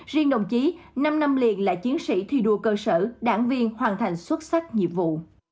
riêng đồng chí năm năm liền là chiến sĩ thi đua cơ sở đảng viên hoàn thành xuất sắc nhiệm vụ